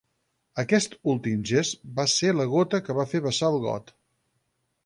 Aquest últim gest va ser la gota que va fer vessar el got.